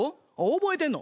覚えてんの？